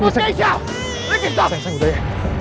sayang sayang udah ya